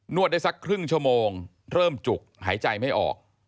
วดได้สักครึ่งชั่วโมงเริ่มจุกหายใจไม่ออก